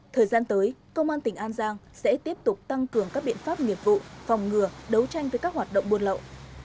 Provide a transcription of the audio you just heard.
thời gian tới công an tỉnh an giang sẽ tiếp tục tăng cường các biện pháp nghiệp vụ phòng ngừa đấu tranh với các hoạt động buôn lậu